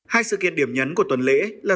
hai sự kiện điểm nhấn của tuần lễ là